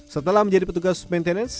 setelah menjadi petugas maintenance